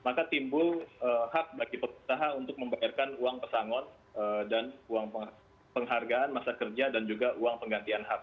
maka timbul hak bagi pengusaha untuk membayarkan uang pesangon dan uang penghargaan masa kerja dan juga uang penggantian hak